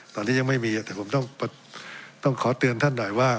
ตอนนี้ยังไม่มีแต่ผมต้องขอเตือนท่านหน่อยว่า